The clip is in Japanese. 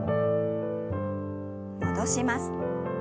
戻します。